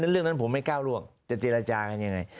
เรื่องนั้นผมไม่ก้าวร่วงจะเจรจากันยังไง